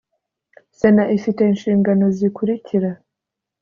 sena ifite inshingano zikurikira